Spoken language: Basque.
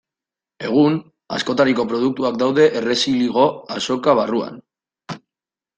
Egun, askotariko produktuak daude Errezilgo Azoka barruan.